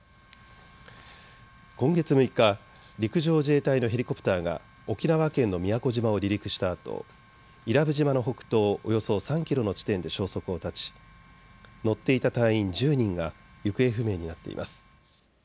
今月６日、陸上自衛隊のヘリコプターが沖縄県の宮古島を離陸したあと伊良部島の北東およそ３キロの地点で消息を絶ち乗っていた隊員１０人が行方不明になっています。